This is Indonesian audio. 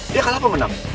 dia bisa menang